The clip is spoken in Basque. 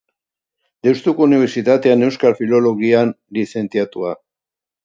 Deustuko Unibertsitatean Euskal Filologian lizentziatua.